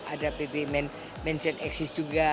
ada pb menjen eksis juga